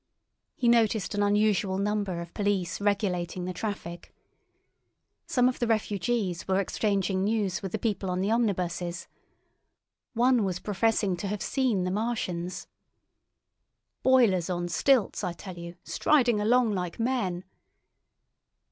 He noticed an unusual number of police regulating the traffic. Some of the refugees were exchanging news with the people on the omnibuses. One was professing to have seen the Martians. "Boilers on stilts, I tell you, striding along like men."